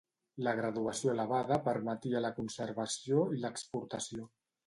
La graduació elevada permetia la conservació i l'exportació.